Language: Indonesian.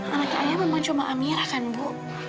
anaknya ayah memang cuma amira kan bu